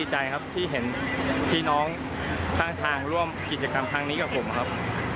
สกที่เห็นพี่น้องทางรวมกิจกรรมครั้งนี้กับผมครับ